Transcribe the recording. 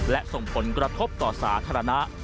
และส่งผลกระทบต่อสาธารณะ